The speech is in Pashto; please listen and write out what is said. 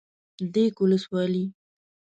ديک ولسوالي